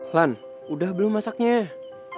lan udah belum masaknya